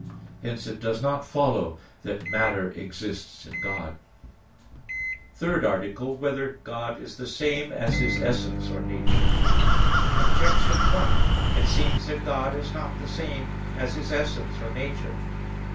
Hence it does not follow that matter exists in God. _______________________ THIRD ARTICLE [I, Q. 3, Art. 3] Whether God is the Same as His Essence or Nature? Objection 1: It seems that God is not the same as His essence or nature.